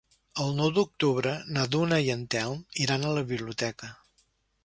El nou d'octubre na Duna i en Telm iran a la biblioteca.